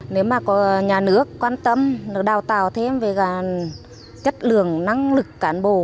nếu mà có nhà nước quan tâm nó đào tạo thêm về chất lượng năng lực cán bộ